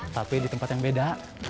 tapi di tempat yang beda